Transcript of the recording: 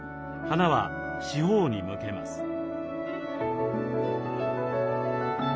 花は四方に向けます。